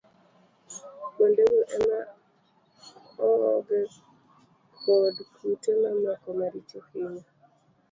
Kuondego ema ong'oge kod kute mamoko maricho hinyo